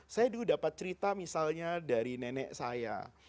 saya dulu dapat cerita misalnya dari nenek saya